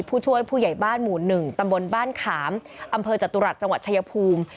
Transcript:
ผู้ช่วยผู้ใหญ่บ้านหมู่๑ตำบลบ้านขามอำเภอจตุรัสจังหวัดชายภูมิ